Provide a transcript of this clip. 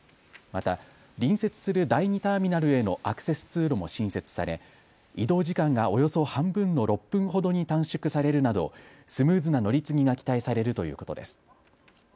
また隣接する第２ターミナルへのアクセス通路も新設され移動時間がおよそ半分の６分ほどに短縮されるなどスムーズな乗り継ぎが期待されるということです。